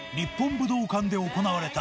武道館。